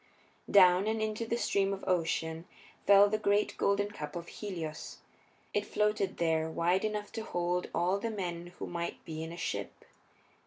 Down, and into the Stream of Ocean fell the great golden cup of Helios. It floated there wide enough to hold all the men who might be in a ship.